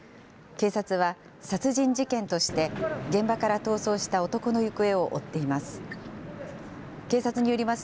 警察は殺人事件として、現場から逃走した男の行方を追っています。